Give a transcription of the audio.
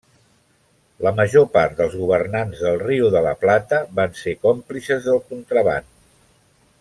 La major part dels governants del Riu de la Plata van ser còmplices del contraban.